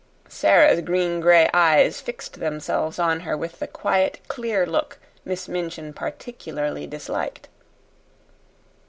Sara's green gray eyes fixed themselves on her with the quiet, clear look Miss Minchin particularly disliked.